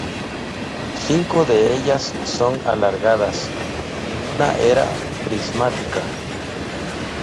Cinco de ellas son alargadas y una era prismática.